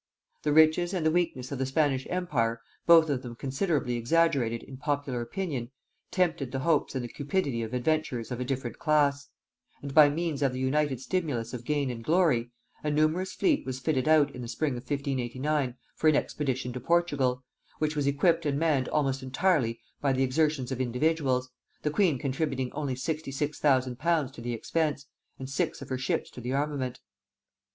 The riches and the weakness of the Spanish empire, both of them considerably exaggerated in popular opinion, tempted the hopes and the cupidity of adventurers of a different class; and by means of the united stimulus of gain and glory, a numerous fleet was fitted out in the spring of 1589 for an expedition to Portugal, which was equipped and manned almost entirely by the exertions of individuals, the queen contributing only sixty six thousand pounds to the expenses, and six of her ships to the armament.